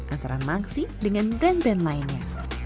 antara mangsi dengan brand brand lainnya